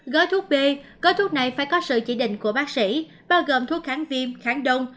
gói thuốc b gói thuốc này phải có sự chỉ định của bác sĩ bao gồm thuốc kháng viêm kháng đông